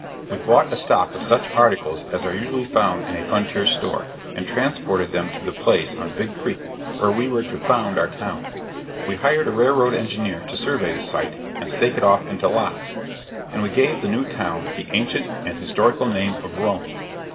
We bought a stock of such articles as are usually found in a frontier store, and transported them to the place on Big Creek, where we were to found our town. We hired a railroad engineer to survey the site and stake it off into lots; and we gave the new town the ancient and historical name of Rome.